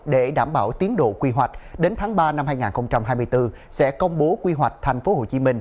để đảm bảo tiến độ quy hoạch đến tháng ba năm hai nghìn hai mươi bốn sẽ công bố quy hoạch tp hcm